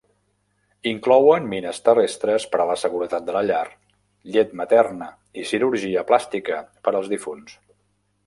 Inclouen mines terrestres per a la seguretat de la llar, llet materna i cirurgia plàstica per als difunts.